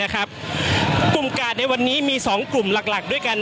กลุ่มกาดในวันนี้มี๒กลุ่มหลักด้วยกัน